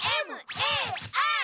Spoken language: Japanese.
Ａ！